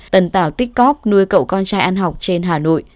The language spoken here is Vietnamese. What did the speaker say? tần tào tích cóc nuôi cậu con trai ăn học trên hà nội